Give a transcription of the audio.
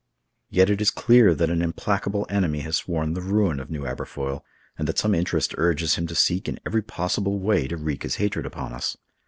"Yet it is clear that an implacable enemy has sworn the ruin of New Aberfoyle, and that some interest urges him to seek in every possible way to wreak his hatred upon us.